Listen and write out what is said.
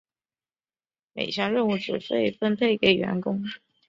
每项任务只被分配给一个员工。